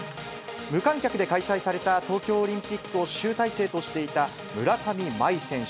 無観客で開催された東京オリンピックを集大成としていた村上茉愛選手。